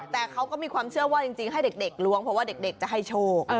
แต่เขาก็มีความเชื่อว่าจริงให้เด็กล้วงเพราะว่าเด็กจะให้โชค